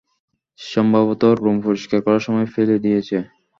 সম্ভবত, রুম পরিষ্কার করার সময় ফেলে দিয়েছে।